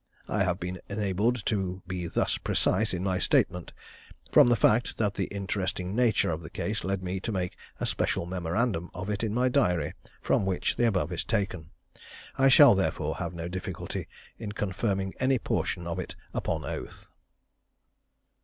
I have been enabled to be thus precise in my statement, from the fact that the interesting nature of the case led me to make a special memorandum of it in my diary, from which the above is taken. I shall therefore have no difficulty in confirming any portion of it upon oath.